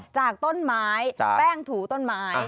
จากต้นไม้แป้งถูต้นไม้